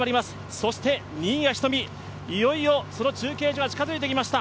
そして新谷仁美、いよいよその中継所が近づいてきました。